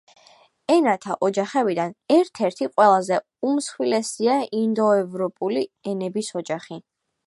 ენათა ოჯახებიდან ერთ-ერთი ყველაზე უმსხვილესია ინდოევროპული ენების ოჯახი.